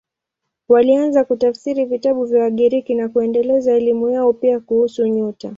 Walianza kutafsiri vitabu vya Wagiriki na kuendeleza elimu yao, pia kuhusu nyota.